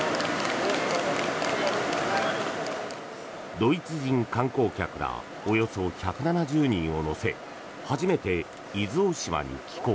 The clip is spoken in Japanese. ドイツ人観光客らおよそ１７０人を乗せ初めて、伊豆大島に寄港。